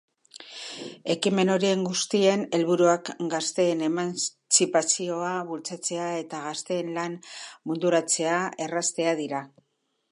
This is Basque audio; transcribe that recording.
Ekimen horien guztien helburuak gazteen emantzipazioa bultzatzea eta gazteen lan munduratzea erraztea dira.